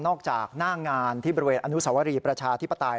ออกจากหน้างานที่บริเวณอนุสวรีประชาธิปไตย